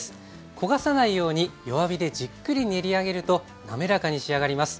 焦がさないように弱火でじっくり練り上げると滑らかに仕上がります。